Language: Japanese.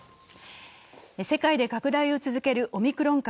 世界で拡大を続けるオミクロン株。